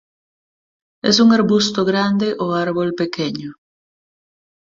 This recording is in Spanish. Es un arbusto grande o árbol pequeño.